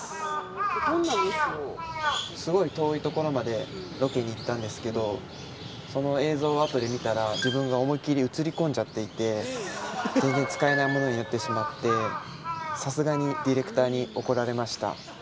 すごい遠いところまでロケに行ったんですけどその映像を後で見たら自分が思いっきり映り込んじゃっていて全然使えないものになってしまってさすがにディレクターに怒られました。